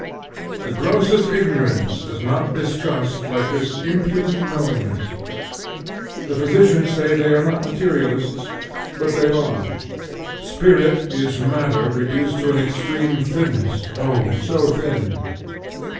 The grossest ignorance does not disgust like this impudent knowingness. The physicians say they are not materialists; but they are: Spirit is matter reduced to an extreme thinness: O so thin!